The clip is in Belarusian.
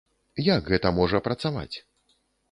Як гэта можа працаваць?